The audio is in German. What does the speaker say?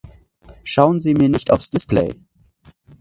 Schauen Sie mir nicht aufs Display!